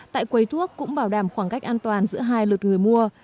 tại quầy thuốc cũng bảo đảm khoảng cách an toàn giữa hai lượt người mua